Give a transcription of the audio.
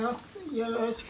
よろしく。